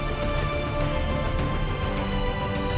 jalan jalan kiri